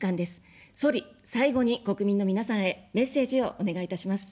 総理、最後に国民の皆さんへメッセージをお願いいたします。